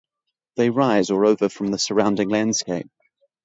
They rise or over from the surrounding landscape.